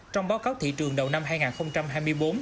trong báo cáo thị trường đầu năm hai nghìn hai mươi bốn